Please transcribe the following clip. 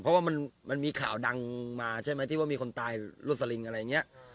เพราะว่ามันมีข่าวดังมาใช่ไหมที่ว่ามีคนตายรวดสลิงอะไรอย่างนี้